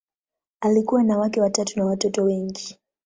Alikuwa na wake watatu na watoto wengi.